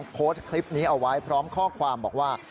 โพสต์คลิปนี้เอาไว้พร้อมข้อความบอกว่า